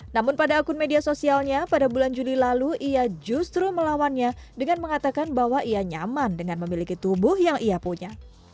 namun pada akun media sosialnya pada bulan juli lalu ia justru melawannya dengan mengatakan bahwa ia nyaman dengan memiliki tubuh yang ia punya